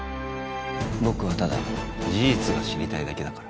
僕はただ事実が知りたいだけだから